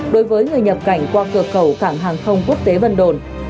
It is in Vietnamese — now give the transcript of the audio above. đối với người nhập cảnh qua cửa cầu khẳng hàng không quốc tế vân đồn